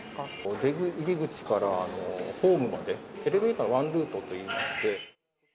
出入り口からホームまで、エレベーターワンルートといいまして。